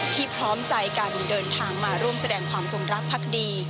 พร้อมใจการเดินทางมาร่วมแสดงความจงรักพักดี